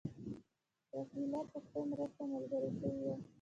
روهیله پښتنو مرسته ملګرې شوې وای.